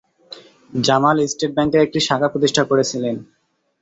Jamal state ব্যাংকের একটি শাখা প্রতিষ্ঠা করেছিলেন।